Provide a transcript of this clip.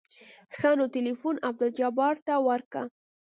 ښه نو ټېلفون عبدالجبار ته ورکه.